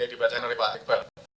ya dibacain oleh pak aikbal